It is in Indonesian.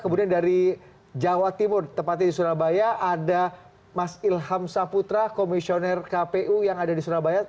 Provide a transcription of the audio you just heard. kemudian dari jawa timur tepatnya di surabaya ada mas ilham saputra komisioner kpu yang ada di surabaya